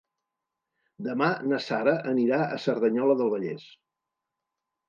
Demà na Sara anirà a Cerdanyola del Vallès.